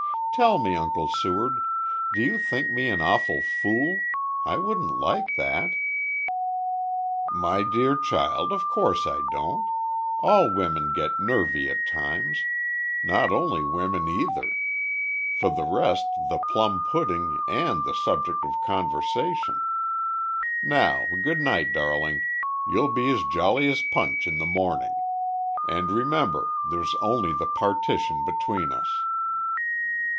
"Tell me, Uncle Seward, do you think me an awful fool? I wouldn't like that?" "My dear child, of course I don't. All women get nervy at times not only women either for the rest the plum pudding, and the subject of conversation. Now good night, darling, you'll be as jolly as Punch in the morning. And remember, there's only the partition between us."